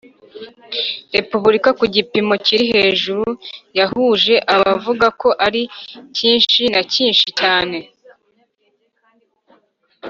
Repubulika ku gipimo kiri hejuru ya uhuje abavuga ko ari cyinshi na cyinshi cyane